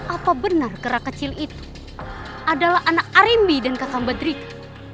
apa benar kerak kecil itu adalah anak arimbi dan kakak bedrik